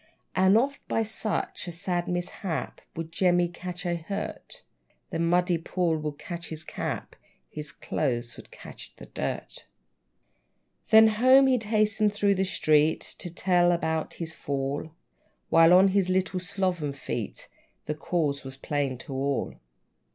And oft, by such a sad mishap, Would Jemmy catch a hurt; The muddy pool would catch his cap, His clothes would catch the dirt! Then home he'd hasten through the street, To tell about his fall; While, on his little sloven feet, The cause was plain to all.